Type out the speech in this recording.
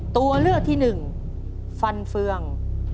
ตัวเลือกที่หนึ่งฟันเฟือง